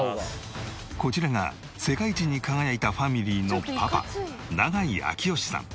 こちらが世界一に輝いたファミリーのパパ永井明慶さん